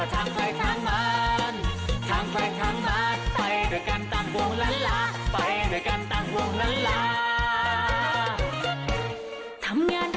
เฮ้ลาลาลาตังหวงลาลา